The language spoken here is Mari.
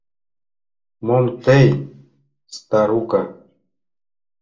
— Мом тый, старука?!